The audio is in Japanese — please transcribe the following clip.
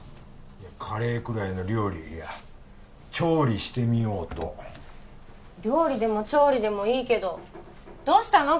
カレーくらいの料理いや調理してみようと料理でも調理でもいいけどどうしたの？